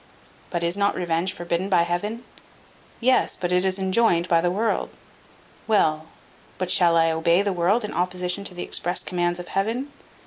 But is not revenge forbidden by Heaven? Yes, but it is enjoined by the world. Well, but shall I obey the world in opposition to the express commands of Heaven?